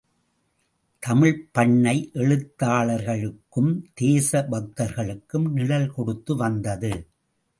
தமிழ்ப்பண்ணை எழுத்தாளர்களுக்கும், தேச பக்தர்களுக்கும் நிழல் கொடுத்து வந்தது.